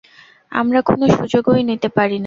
আমরা কোনও সুযোগই নিতে পারিনা।